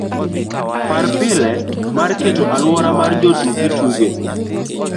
par pile mar keto aluora mar jotuki tuge